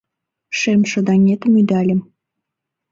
Шемшыдаҥетым ӱдальым.